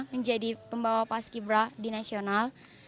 menjadi pembawa paski bra di nasional